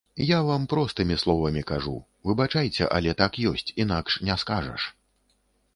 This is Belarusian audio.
Я вам простымі словамі кажу, выбачайце, але так ёсць, інакш не скажаш.